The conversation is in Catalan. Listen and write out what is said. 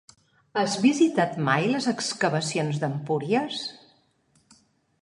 Has visitat mai les excavacions d'Empúries?